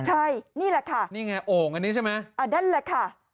ใช่นี่แหละค่ะนี่ไงโอ่งอันนี้ใช่ไหมอ่านั่นแหละค่ะ